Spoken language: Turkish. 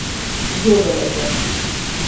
Bu zor olacak.